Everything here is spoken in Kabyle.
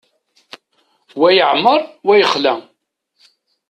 Wa yeεmer, wa yexla.